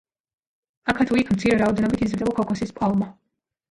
აქა თუ იქ მცირე რაოდენობით იზრდება ქოქოსის პალმა.